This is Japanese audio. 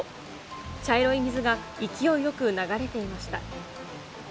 茶色い水が勢いよく流れていました。